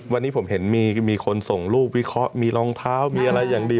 วันนี้ผมเห็นมีคนส่งรูปวิเคราะห์มีรองเท้ามีอะไรอย่างดี